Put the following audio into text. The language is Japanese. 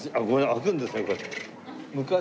開くんですねこれ。